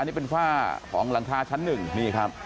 นี่เป็นฝ้าของหลังคาชั้นหนึ่งนี่ครับ